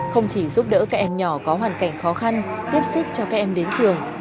không chỉ giúp đỡ các em nhỏ có hoàn cảnh khó khăn tiếp sức cho các em đến trường